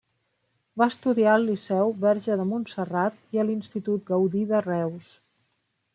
Va estudiar al Liceu Verge de Montserrat i a l'Institut Gaudí de Reus.